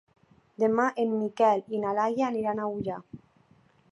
Demà en Miquel i na Laia aniran a Ullà.